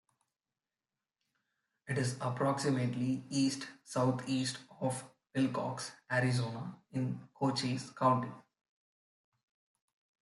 It is approximately east-southeast of Willcox, Arizona, in Cochise County.